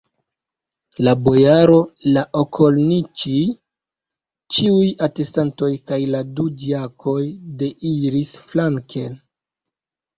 La bojaro, la okolniĉij, ĉiuj atestantoj kaj la du diakoj deiris flanken.